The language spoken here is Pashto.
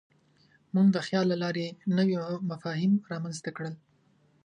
موږ د خیال له لارې نوي مفاهیم رامنځ ته کړل.